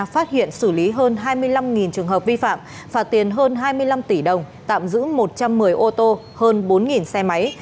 phát hiện xử lý hơn hai mươi năm trường hợp vi phạm phạt tiền hơn hai mươi năm tỷ đồng tạm giữ một trăm một mươi ô tô hơn bốn xe máy